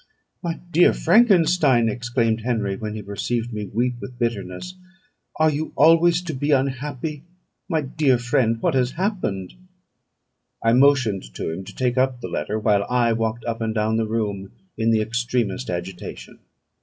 "My dear Frankenstein," exclaimed Henry, when he perceived me weep with bitterness, "are you always to be unhappy? My dear friend, what has happened?" I motioned to him to take up the letter, while I walked up and down the room in the extremest agitation.